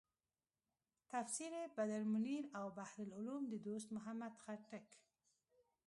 تفسیر بدرمنیر او بحر العلوم د دوست محمد خټک.